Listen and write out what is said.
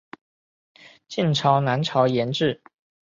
晋朝南朝沿置。